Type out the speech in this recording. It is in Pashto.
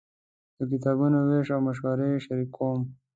د کتابونو وېش او مشورې شریکوم.